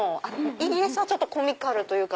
イギリスはコミカルというか。